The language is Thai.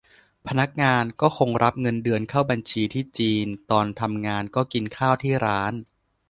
พนักงานก็คงรับเงินเดือนเข้าบัญชีที่จีน ตอนทำงานก็กินข้าวที่ร้าน